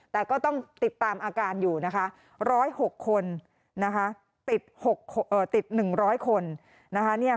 แต่ก็ต้องติดตามอาการอยู่๑๐๖คนติด๑๐๐คน